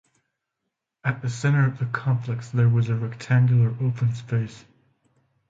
At the centre of the complex there was a rectangular open space.